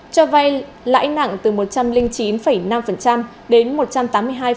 cho vai lãi nặng từ một trăm linh chín năm đến một trăm tám mươi hai năm một năm